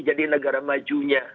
jadi negara majunya